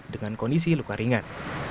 dengan kondisi luka ringan